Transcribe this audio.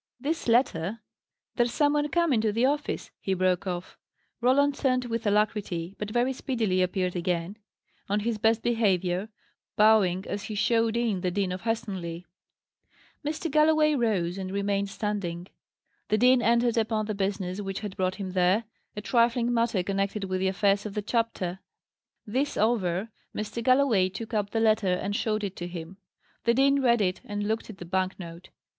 This letter There's some one come into the office," he broke off. Roland turned with alacrity, but very speedily appeared again, on his best behaviour, bowing as he showed in the Dean of Helstonleigh. Mr. Galloway rose, and remained standing. The dean entered upon the business which had brought him there, a trifling matter connected with the affairs of the chapter. This over, Mr. Galloway took up the letter and showed it to him. The dean read it, and looked at the bank note.